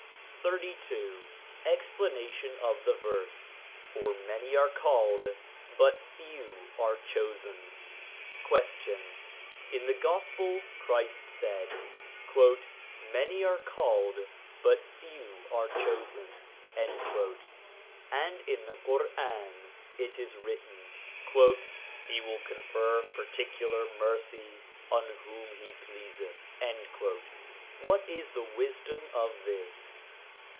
XXXII EXPLANATION OF ,THE VERSE: 'FOR MANY ARE CALLED BUT FEW ARE CHOSEN ' Question. In the Gospel, Christ said :' Many are called but few are chosen/ and in the Quran it is written :' He will confer particular mercy on whom he pleaseth.' What is the wisdom of this